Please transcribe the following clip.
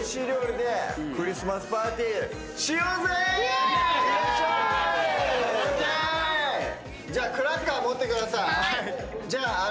じゃあクラッカー持ってください。